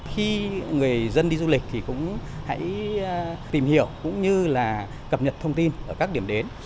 khi người dân đi du lịch thì cũng hãy tìm hiểu cũng như là cập nhật thông tin ở các điểm đến